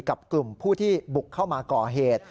กับกลุ่มผู้ที่บุกเข้ามาก่อเหตุ